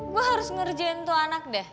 gue harus ngerjain tuh anak deh